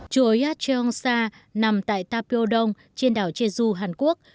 chùa yatcheongsa nằm tại tapio dong trên đảo jeju hàn quốc